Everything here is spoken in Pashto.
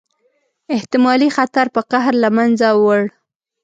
احتمالي خطر په قهر له منځه ووړ.